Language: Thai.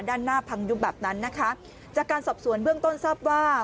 ด้านหน้าพังยุบแบบนั้นนะคะจากการสอบสวนเบื้องต้นทราบว่า